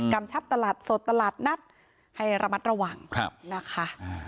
ชับตลาดสดตลาดนัดให้ระมัดระวังนะคะ